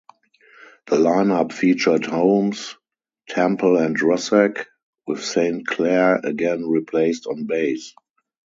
The line-up featured Holmes, Temple and Russack, with Saint Clare again replaced on bass.